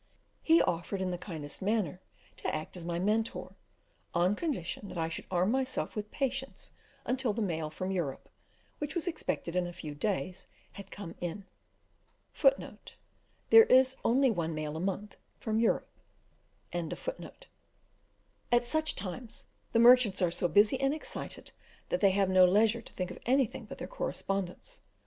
He offered, in the kindest manner, to act as my Mentor, on condition that I should arm myself with patience until the mail from Europe, which was expected in a few days, had come in. At such times the merchants are so busy and excited, that they have no leisure to think of anything but their correspondence.